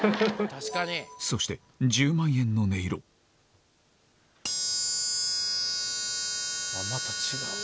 そして１０万円の音色また違う。